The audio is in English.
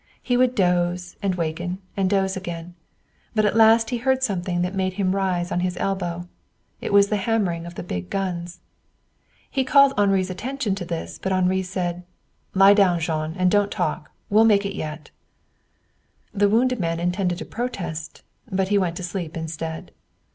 He would doze and waken and doze again. But at last he heard something that made him rise on his elbow. It was the hammering of the big guns. He called Henri's attention to this, but Henri said: "Lie down, Jean, and don't talk. We'll make it yet." The wounded man intended to make a protest, but he went to sleep instead.